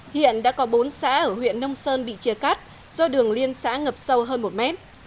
hiện đã có bốn xã ở huyện nông sơn bị chia cắt do đường liên xã ngập sâu hơn một mét